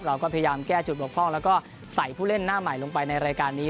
เราก็พยายามแก้จุดบกพร่องแล้วก็ใส่ผู้เล่นหน้าใหม่ลงไปในรายการนี้